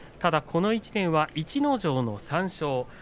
この１年は逸ノ城の３勝です。